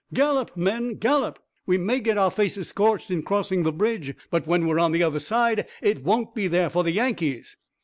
Gallop, men! Gallop! We may get our faces scorched in crossing the bridge, but when we're on the other side it won't be there for the Yankees!"